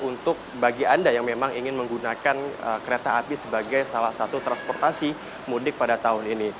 untuk bagi anda yang memang ingin menggunakan kereta api sebagai salah satu transportasi mudik pada tahun ini